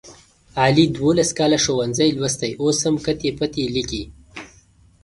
علي دوولس کاله ښوونځی لوستی اوس هم کتې پتې لیکي.